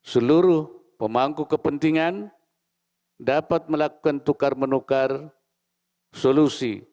seluruh pemangku kepentingan dapat melakukan tukar menukar solusi